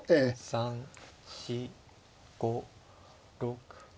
３４５６７。